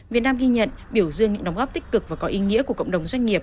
việt nam ghi nhận biểu dương những đóng góp tích cực và có ý nghĩa của cộng đồng doanh nghiệp